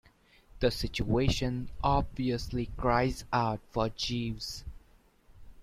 The situation obviously cries out for Jeeves.